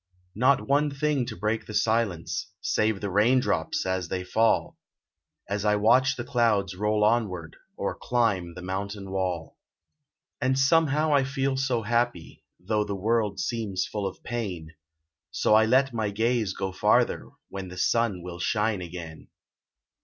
Not one thing to break the silence, Save the rain drops as they fall, As I watch the clouds roll onward, Or climb the mountain wall. And somehow I feel so happy, Though the world seems full of pain, So I let my gaze go farther, When the sun will shine again.